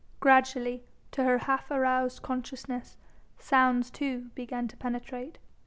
Gradually to her half aroused consciousness sounds too began to penetrate.